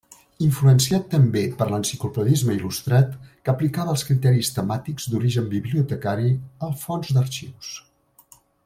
Influenciat també per l'enciclopedisme il·lustrat que aplicava els criteris temàtics d'origen bibliotecari als fons d'arxius.